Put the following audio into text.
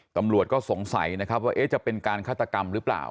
ตำรวจก็สงสัยนะครับว่าจะเป็นการฆาตกรรมหรือเปล่า